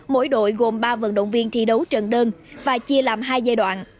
mỗi đội gồm ba vận động viên thi đấu trận đơn và chia làm hai giai đoạn